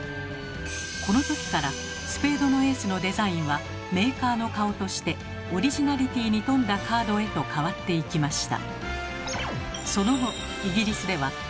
このときからスペードのエースのデザインはメーカーの顔としてオリジナリティーに富んだカードへと変わっていきました。